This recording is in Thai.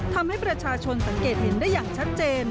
ทำให้ประชาชนสังเกตเห็นได้อย่างชัดเจน